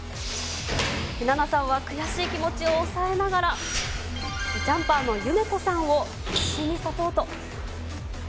ナナさんは悔しい気持ちを抑えながら、ジャンパーのユメコさんを必死にサポート。